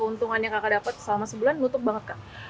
keuntungan yang kakak dapat selama sebulan nutup banget kak